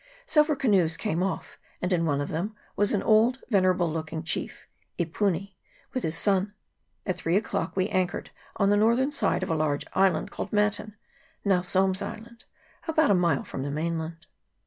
Several canoes came off, and in one of them was an old venerable looking chief, Epuni, with his son. At three o'clock we anchored on the northern side of a large island called Matin, now Somes's Island, about a mile from the mainland.